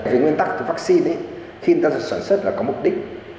với nguyên tắc vaccine khi chúng ta sản xuất là có mục đích